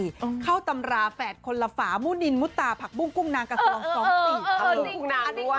แล้วเจ้าตำราแฝดคนละฝามู้ดินมูธาผักปุ้งกุ้มนางกับชลงสองสี่